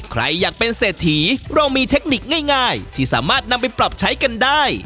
ใครอยากเป็นเศรษฐีเรามีเทคนิคง่ายที่สามารถนำไปปรับใช้กันได้